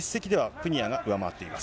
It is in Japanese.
プニアが上回っています。